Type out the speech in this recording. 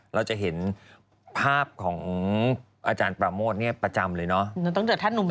เราจะเห็นภาพของอาจารย์ปราโมทเนี่ยประจำเลยเนาะ